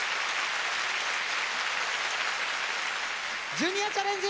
「ジュニアチャレンジ」！